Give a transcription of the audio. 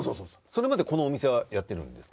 それまでこのお店はやっているんですか？